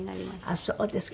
あっそうですか。